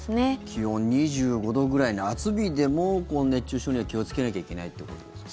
気温２５度ぐらい夏日でも熱中症には気をつけなきゃいけないってことですか。